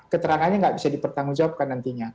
keterangannya nggak bisa dipertanggungjawabkan nantinya